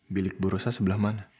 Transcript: bilik bu rosa sebelah mana